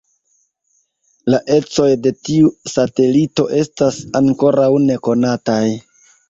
La ecoj de tiu satelito estas ankoraŭ nekonataj.